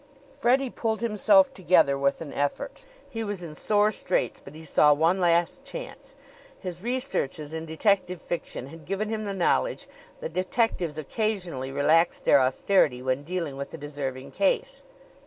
Freddie pulled himself together with an effort. He was in sore straits, but he saw one last chance. His researches in detective fiction had given him the knowledge that detectives occasionally relaxed their austerity when dealing with a deserving case.